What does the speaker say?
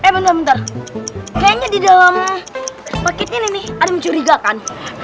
kayaknya di dalam paket ini ada mencurigakan